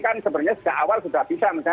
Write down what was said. kan sebenarnya sejak awal sudah bisa